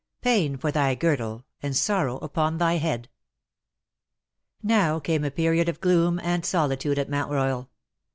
^^PAIN FOR THY GIRDLE, AND SORROW UPON THY HEAd/^ Now came a period of gloom and solitude at Mount Royal.